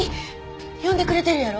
読んでくれてるやろ？